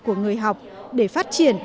của người học để phát triển